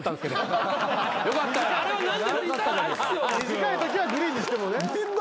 短いときはグリーンにしてもね。